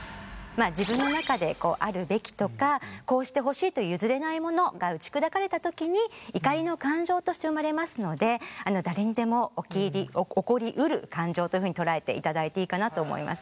自分の中でこうあるべきとかこうしてほしいという譲れないものが打ち砕かれたときに怒りの感情として生まれますので誰にでも起こりうる感情というふうに捉えていただいていいかなと思います。